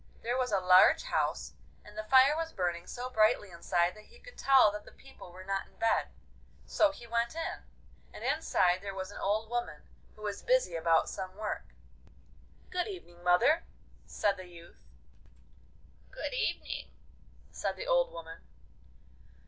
There was a large house, and the fire was burning so brightly inside that he could tell that the people were not in bed. So he went in, and inside there was an old woman who was busy about some work. 'Good evening, mother!' said the youth. 'Good evening!' said the old woman.